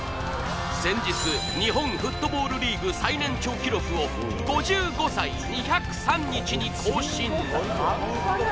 先日日本フットボールリーグ最年長記録を５５歳２０３日に更新